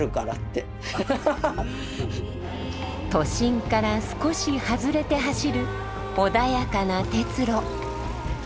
都心から少し外れて走る穏やかな鉄路。